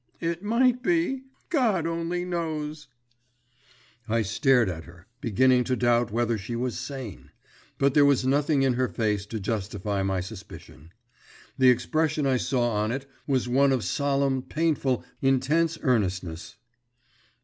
"It might be. God only knows!" I stared at her, beginning to doubt whether she was sane; but there was nothing in her face to justify my suspicion. The expression I saw on it was one of solemn, painful, intense earnestness.